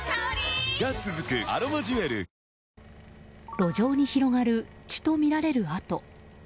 路上に広がる血とみられる跡。